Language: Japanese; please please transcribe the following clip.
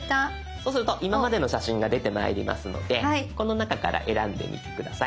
そうすると今までの写真が出てまいりますのでこの中から選んでみて下さい。